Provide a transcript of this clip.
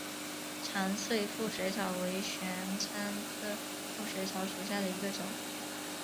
长穗腹水草为玄参科腹水草属下的一个种。